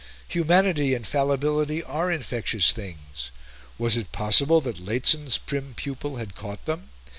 Humanity and fallibility are infectious things; was it possible that Lehzen's prim pupil had caught them?